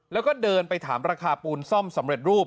แล้วก็เดินไปถามราคาปูนซ่อมสำเร็จรูป